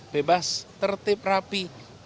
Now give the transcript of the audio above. bebas tertib rapi